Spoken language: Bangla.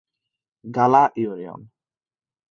গালা ইউনিয়ন